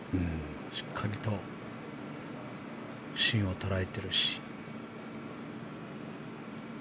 しっかりと芯を捉えてるし。